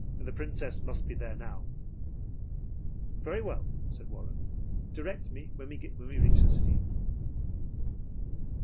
The Princess must, be there now.' "Very well," said Warren. "Direct me when we reach the city."